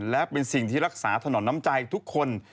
และเป็นสิ่งที่รักษาถนนน้ำใจทุกคน